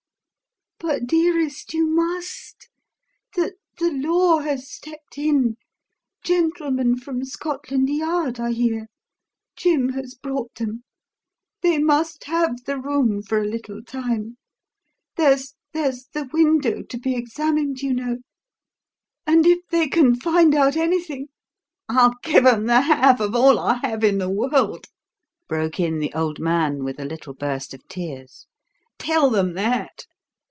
"But, dearest, you must. The the Law has stepped in. Gentlemen from Scotland Yard are here. Jim has brought them. They must have the room for a little time. There there's the window to be examined, you know; and if they can find out anything " "I'll give them the half of all I have in the world!" broke in the old man with a little burst of tears. "Tell them that.